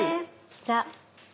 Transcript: じゃあ。